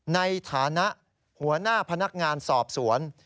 ในฐานะหัวหน้าพนักงานสอบสวน